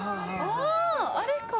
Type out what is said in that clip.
ああれか。